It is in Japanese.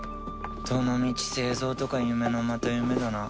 どのみち製造とか夢のまた夢だな。